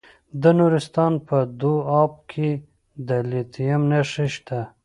د نورستان په دو اب کې د لیتیم نښې شته.